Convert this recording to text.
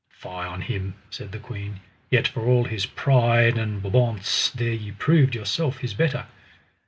Fie on him, said the queen, yet for all his pride and bobaunce there ye proved yourself his better.